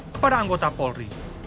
kepada anggota polri